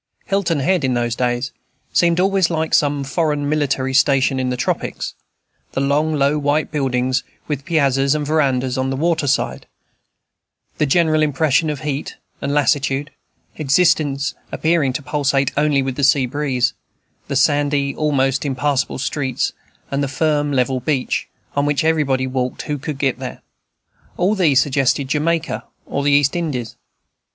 Hilton Head, in those days, seemed always like some foreign military station in the tropics. The long, low, white buildings, with piazzas and verandas on the water side; the general impression of heat and lassitude, existence appearing to pulsate only with the sea breeze; the sandy, almost impassable streets; and the firm, level beach, on which everybody walked who could get there: all these suggested Jamaica or the East Indies.